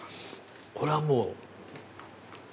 これはもう。